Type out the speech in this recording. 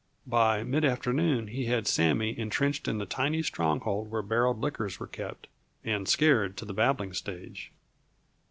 By mid afternoon he had Sammy entrenched in the tiny stronghold where barreled liquors were kept, and scared to the babbling stage.